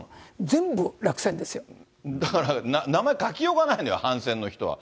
全部、だから、名前書きようがないのよ、反戦の人は。